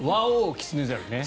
キツネザルね。